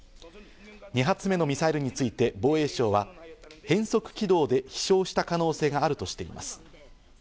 ２発目のミサイルについて防衛省は変則軌道で飛翔した可能性があるとしています。